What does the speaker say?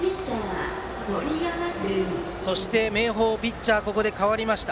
そして、明豊ピッチャーが代わりました。